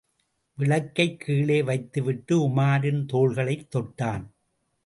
விளக்கைக் கீழே வைத்துவிட்டு, உமாரின் தோள்களைத் தொட்டான்.